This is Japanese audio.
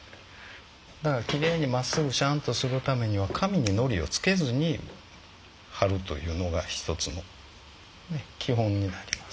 だからきれいにまっすぐしゃんとするためには紙にのりをつけずにはるというのが一つの基本になります。